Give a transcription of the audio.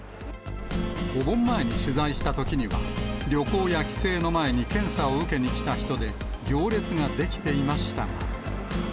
お盆前に取材したときには、旅行や帰省の前に検査を受けに来た人で、行列が出来ていましたが。